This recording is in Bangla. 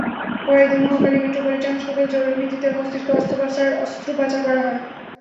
পরের দিন মহাখালীর মেট্রোপলিটন হাসপাতালে জরুরি ভিত্তিতে তাঁর মস্তিষ্কে অস্ত্রোপচার করা হয়।